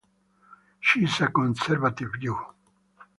She is a Conservative Jew.